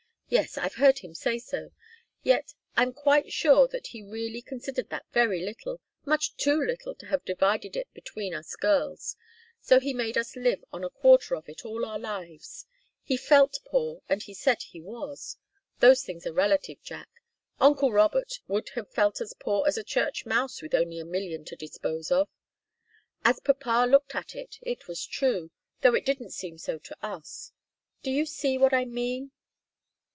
Yes, I've heard him say so. Yet, I'm quite sure that he really considered that very little, much too little to have divided it between us girls. So he's made us live on a quarter of it all our lives. He felt poor, and he said he was. Those things are relative, Jack. Uncle Robert would have felt as poor as a church mouse with only a million to dispose of. As papa looked at it, it was true, though it didn't seem so to us. Do you see what I mean?"